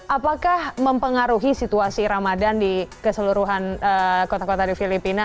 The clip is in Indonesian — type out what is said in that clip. apakah mempengaruhi situasi ramadan di keseluruhan kota kota di filipina